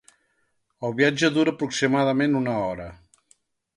El viatge dura aproximadament una hora.